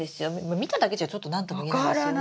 見ただけじゃちょっと何とも言えないですよね。